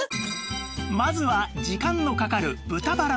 まずは時間のかかる豚バラの角煮